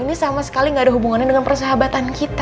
ini sama sekali gak ada hubungannya dengan persahabatan kita